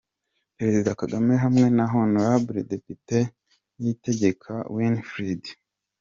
Perezida Kagame hamwe na Hon Depite Niyitegeka Winfred.